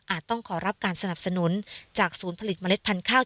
ต้องขอรับการสนับสนุนจากศูนย์ผลิตเมล็ดพันธุ์ข้าว